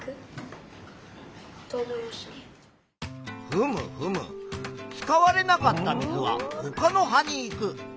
ふむふむ使われなかった水はほかの葉に行く。